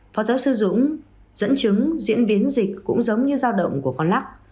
phó giáo sư dũng dẫn chứng diễn biến dịch cũng giống như giao động của con lắc